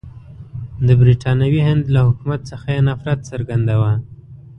د برټانوي هند له حکومت څخه یې نفرت څرګندوه.